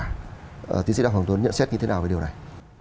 thưa tiến sĩ đăng hoàng tuấn nhận xét như thế nào về điều này